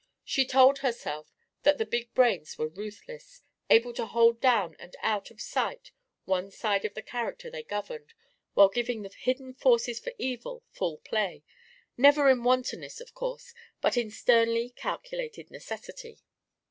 She told herself that the big brains were ruthless, able to hold down and out of sight one side of the character they governed while giving the hidden forces for evil full play; never in wantonness, of course, but in sternly calculated necessity.